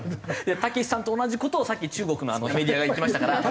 たけしさんと同じ事をさっき中国のメディアが言ってましたから。